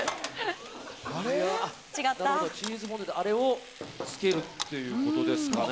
チーズフォンデュであれをつけるということですかね。